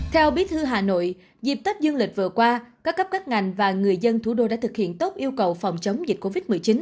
theo bí thư hà nội dịp tết dương lịch vừa qua các cấp các ngành và người dân thủ đô đã thực hiện tốt yêu cầu phòng chống dịch covid một mươi chín